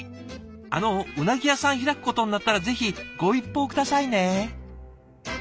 あのうなぎ屋さん開くことになったらぜひご一報下さいね。